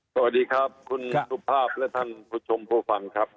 สวัสดีครับคุณสุภาพและท่านผู้ชมผู้ฟังครับ